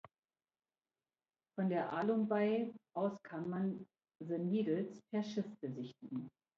Von der Alum Bay aus kann man the Needles per Schiff besichtigen.